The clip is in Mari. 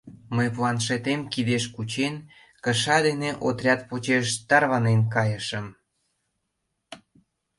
Мый, планшетем кидеш кучен, кыша дене отряд почеш тарванен кайышым.